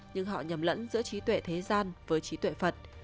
nhưng họ nhầm lẫn giữa trí tuệ thế gian với trí tuệ phật